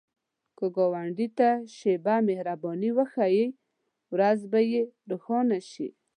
که ګاونډي ته شیبه مهرباني وښایې، ورځ به یې روښانه شي